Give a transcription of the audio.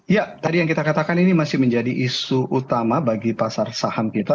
ya tadi yang kita katakan ini masih menjadi isu utama bagi pasar saham kita